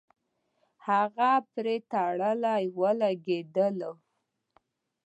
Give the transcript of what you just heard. هغه په تړه ولګېدله.